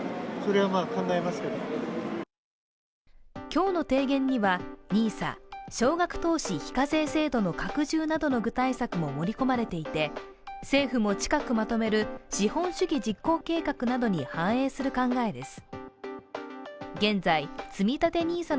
今日の提言には、ＮＩＳＡ＝少額投資非課税制度の拡充などの具体策も盛り込まれていて政府も近くまとめる資本主義実行計画などに反映する考えです。